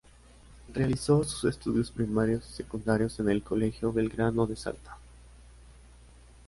Realizó sus estudios primarios y secundarios en el Colegio Belgrano de Salta.